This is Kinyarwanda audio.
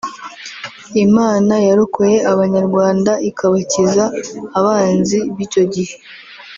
Imana yarokoye Abanyarwanda ikabakiza abanzi b’icyo gihe